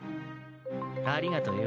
ありがとよ。